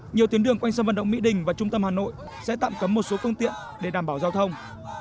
nhiều tuyến đường quanh sân vận động mỹ đình và trung tâm hà nội sẽ tạm cấm một số phương tiện để đảm bảo giao thông